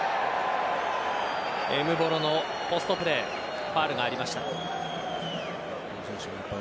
エムボロのポストプレーファウルがありました。